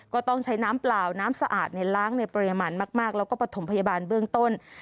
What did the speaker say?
ก็ต้องใช้น้ำเปล่าน้ำสะอาดล้างในปริมาณมากแล้วก็ประถมพยาบาลเบื้องต้น